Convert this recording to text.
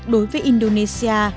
đối với indonesia